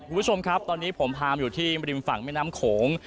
คุณผู้ชมครับตอนนี้ผมพามาอยู่ที่ริมฝั่งแม่น้ำโขง